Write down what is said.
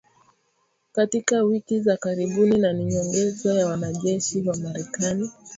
katika wiki za karibuni na ni nyongeza ya wanajeshi wa Marekani